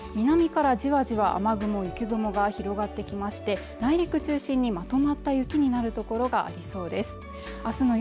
南からじわじわ雨雲・雪雲が広がってきまして内陸中心にまとまった雪になる所がありそうです